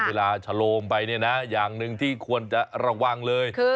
ฉโลมไปเนี่ยนะอย่างหนึ่งที่ควรจะระวังเลย